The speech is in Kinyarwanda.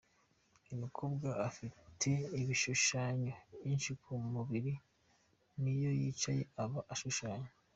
Uyu mukobwa afite ibishushanyo byinshi ku mubiri n'iyo yicaye aba ashushanya.